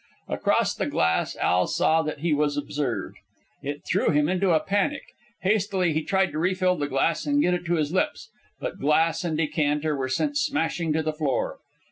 Across the glass Al saw that he was observed. It threw him into a panic. Hastily he tried to refill the glass and get it to his lips; but glass and decanter were sent smashing to the floor.